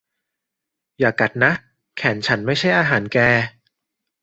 อย่ากัดนะ แขนฉันไม่ใช่อาหารแก